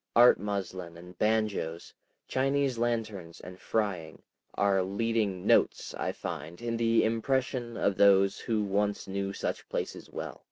Art muslin and banjoes, Chinese lanterns and frying, are leading "notes," I find, in the impression of those who once knew such places well.